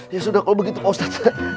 ya sudah kalau begitu ustadz